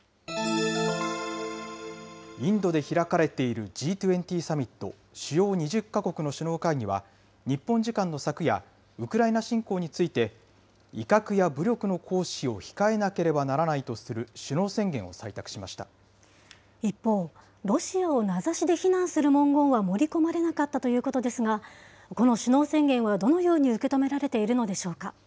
インドで開かれているＧ２０サミット・主要２０か国の首脳会議は、日本時間の昨夜、ウクライナ侵攻について威嚇や武力の行使を控えなければならない一方、ロシアを名指しで非難する文言は盛り込まれなかったということですが、この首脳宣言はどのように受け止められているのでしょうか。